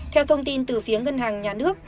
theo thông tin từ phía ngân hàng nhà nước